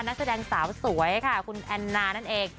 นักแสดงสาวสวยค่ะคุณแอนนานั่นเอง